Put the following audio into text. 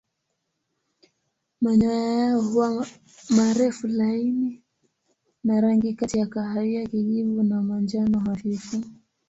Manyoya yao huwa marefu laini na rangi kati ya kahawia kijivu na manjano hafifu.